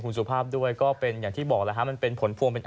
คุณสุภาพด้วยก็เป็นอย่างที่บอกแล้วฮะมันเป็นผลพวงเป็น